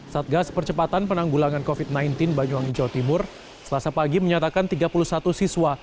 satgas percepatan penanggulangan covid sembilan belas banyuwangi jawa timur selasa pagi menyatakan tiga puluh satu siswa